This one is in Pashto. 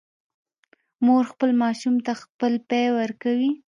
مور خپل ماشوم ته خپل پی ورکوي